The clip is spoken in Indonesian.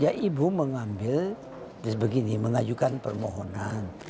ya ibu mengambil terus begini mengajukan permohonan